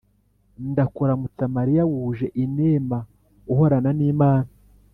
“ndakuramutsa mariya wuje inema, uhorana n’imana